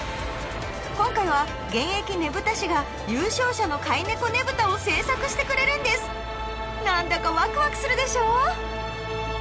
今回は現役ねぶた師が優勝者の飼い猫ねぶたを制作してくれるんですなんだかワクワクするでしょう！